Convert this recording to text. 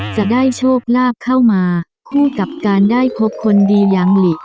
จะได้โชคลาภเข้ามาคู่กับการได้พบคนดีอย่างหลี